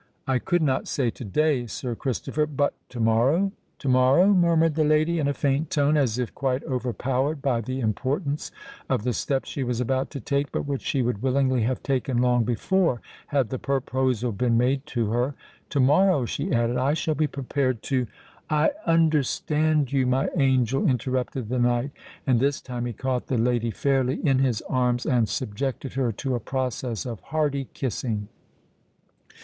"I could not say to day, Sir Christopher—but to morrow—to morrow——" murmured the lady in a faint tone, as if quite overpowered by the importance of the step she was about to take, but which she would willingly have taken long before, had the proposal been made to her:—"to morrow," she added, "I shall be prepared—to——" "I understand you, my angel," interrupted the knight; and this time he caught the lady fairly in his arms and subjected her to a process of hearty kissing.